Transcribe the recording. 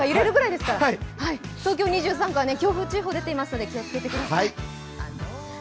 東京２３区は強風注意報出ていますので気をつけてください。